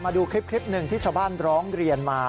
มาดูคลิปหนึ่งที่ชาวบ้านร้องเรียนมา